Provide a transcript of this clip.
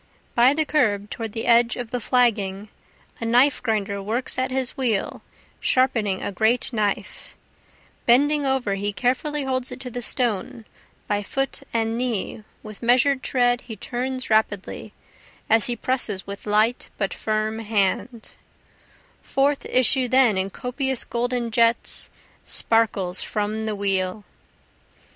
By the curb toward the edge of the flagging, A knife grinder works at his wheel sharpening a great knife, Bending over he carefully holds it to the stone, by foot and knee, With measur'd tread he turns rapidly, as he presses with light but firm hand, Forth issue then in copious golden jets, Sparkles from the wheel.